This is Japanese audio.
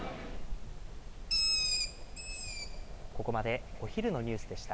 ここまでお昼のニュースでした。